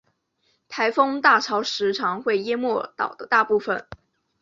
台风大潮时常会淹没岛的大部分。